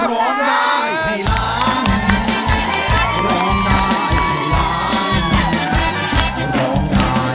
สวัสดีครับคุณคุณแดน